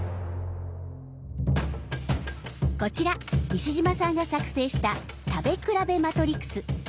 こちら西島さんが作成した食べ比べマトリクス。